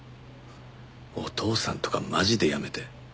お父さんとかマジでやめて。